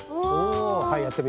はいやってみよう。